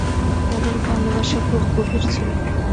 তাদের ভালোবাসা খুব গভীর ছিল।